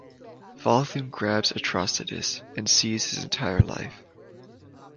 Volthoom grabs Atrocitus and sees his entire life.